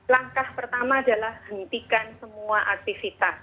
langkah pertama adalah hentikan semua aktivitas